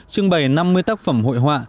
trưng bày năm mươi tác phẩm hội họa